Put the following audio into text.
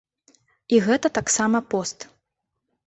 І гэта таксама пост.